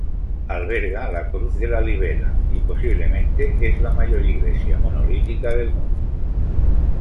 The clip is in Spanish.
Alberga la Cruz de Lalibela, y posiblemente es la mayor iglesia monolítica del mundo.